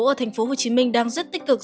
ở tp hcm đang rất tích cực